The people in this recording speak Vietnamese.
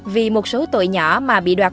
vì một số tội nhỏ mà bị đoạt